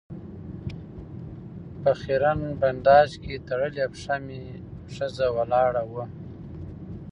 په خېرن بنداژ کې تړلې پښه مې ښخه ولاړه وه.